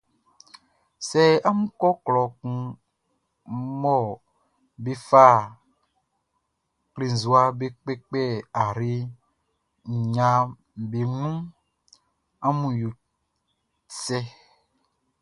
Sɛ amun kɔ klɔ kun mɔ be fa klenzua be kpɛkpɛ ayre nɲaʼm be nunʼn, amun yo cɛ.